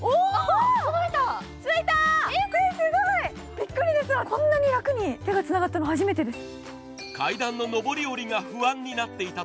びっくりです、こんなに楽に手がつながったの初めてです。